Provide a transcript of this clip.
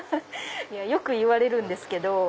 よく言われるんですけど。